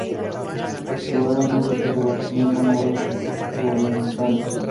Probablemente se relacionó con obras provenzales.